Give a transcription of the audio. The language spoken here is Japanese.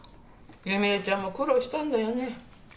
弓恵ちゃんも苦労したんだよね。